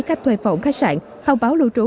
cách thuê phòng khách sạn thông báo lưu trú